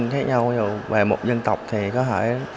khác nhau ví dụ về một dân tộc thì có thể